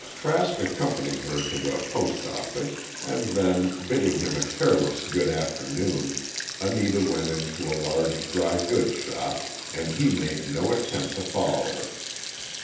Trask accompanied her to the postoffice, and then, bidding him a careless good afternoon, Anita went into a large drygoods shop and he made no attempt to follow her.